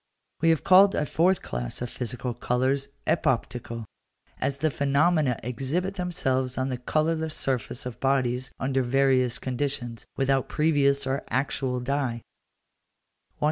We have called a fourth class of physical colours epoptical, as the phenomena exhibit themselves on the colourless surface of bodies under various conditions, without previous or actual dye (βαφή).